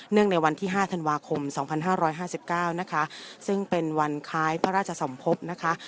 ในวันที่๕ธันวาคม๒๕๕๙นะคะซึ่งเป็นวันคล้ายพระราชสมภพนะคะ